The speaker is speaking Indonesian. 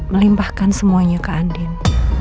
melimpahkan semuanya ke andien